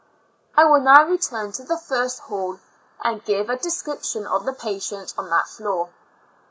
I will now return to the first hall, and give a description of the patients on that floor.